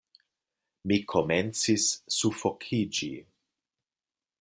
Mi komencis sufokiĝi.